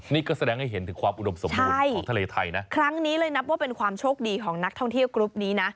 นี่ก็แสดงให้เห็นถึงความอุดมสมบูรณ์ของทะเลไทยนะครั้งนี้เลยนับว่าเป็นความโชคดีของนักท่องเที่ยวกรุ๊ปนี้นะ